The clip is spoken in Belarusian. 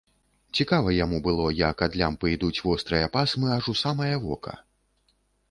Цікава яму было, як ад лямпы ідуць вострыя пасмы аж у самае вока.